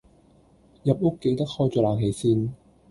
入屋記得開咗冷氣先